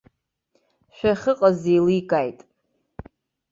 Шәахьыҟаз еиликааит.